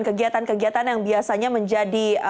kegiatan kegiatan yang biasanya menjadi